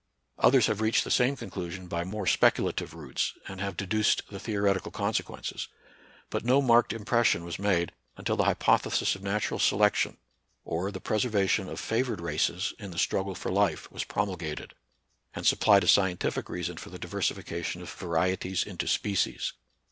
Others have reached the same conclusion by more specula tive routes, and have deduced the theoretical consequences. But no marked impression was made until the hypothesis of natural selec tion, or the preservation of favored races in the struggle for life was promulgated, and supplied a scientific reason for the diversifica tion of varieties iato species.